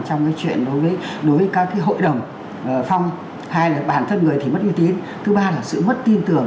trong cái chuyện đối với các cái hội đồng phong hai là bản thân người thì mất uy tín thứ ba là sự mất tin tưởng